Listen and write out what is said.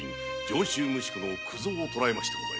上州無宿の九蔵を捕えました。